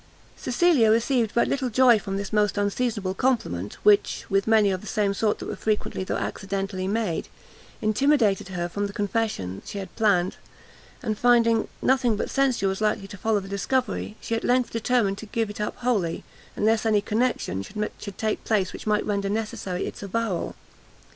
Cecilia received but little joy from this most unseasonable compliment, which, with many of the same sort that were frequently, though accidentally made, intimidated her from the confession she had planned and finding nothing but censure was likely to follow the discovery, she at length determined to give it up wholly, unless any connection should take place which might render necessary its avowal.